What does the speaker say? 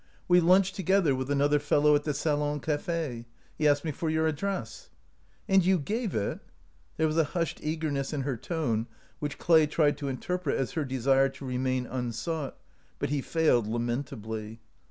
We lunched together with another fellow at the salon cafe. He asked me for your address —" "And you gave it ?" There was a hushed eagerness in her tone, which Clay tried to interpret as her desire to remain unsought ; but he failed lamentably.